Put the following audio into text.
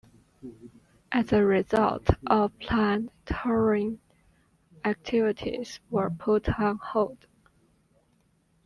As a result, all planned touring activities were put on hold.